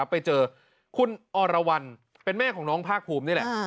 ไปเจอคุณอรวรรณเป็นแม่ของน้องภาคภูมินี่แหละ